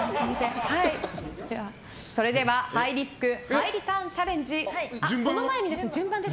それではハイリスクハイリターンチャレンジ。